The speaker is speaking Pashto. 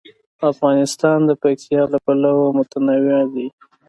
افغانستان د پکتیا له پلوه متنوع دی.